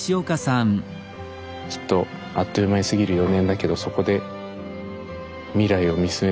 きっとあっという間に過ぎる４年だけどそこで未来を見据えていく。